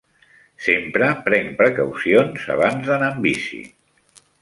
Sempre prenc precaucions abans d'anar en bici.